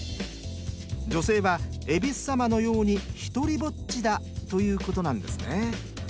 女性は恵比寿様のように独りぼっちだということなんですね。